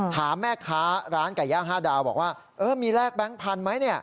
ถามแม่ค้าร้านไก่ย่าง๕ดาวบอกว่ามีแลกแบงค์พันธุ์ไหม